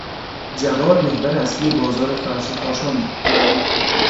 جواد محور اصلی بازار فرش کاشان بود.